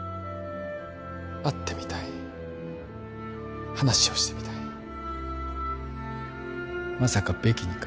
会ってみたい話をしてみたいまさかベキにか？